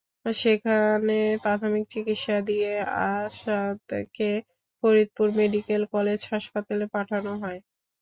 সেখানে প্রাথমিক চিকিৎসা দিয়ে আসাদকে ফরিদপুর মেডিকেল কলেজ হাসপাতালে পাঠানো হয়।